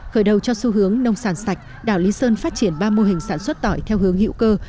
khởi đầu cho xu hướng nông sản sạch đảo lý sơn phát triển ba mô hình sản xuất tỏi theo hướng hữu cơ